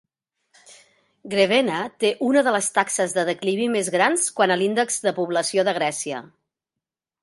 Grevena té una de les taxes de declivi més grans quant a l'índex de població de Grècia.